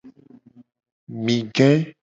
Mi ge.